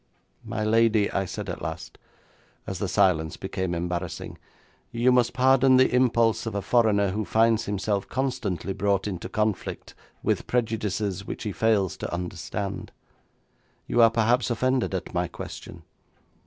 'My lady,' I said at last, as the silence became embarrassing, 'you must pardon the impulse of a foreigner who finds himself constantly brought into conflict with prejudices which he fails to understand. You are perhaps offended at my question.